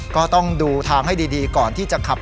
ก็ต้องดูทางให้ดีก่อนที่จะขับ